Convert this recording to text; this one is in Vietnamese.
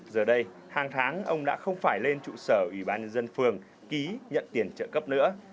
giờ đây hàng tháng ông đã không phải lên trụ sở ủy ban nhân dân phường ký nhận tiền trợ cấp nữa